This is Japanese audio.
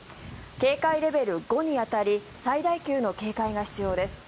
警戒レベル５に当たり最大級の警戒が必要です。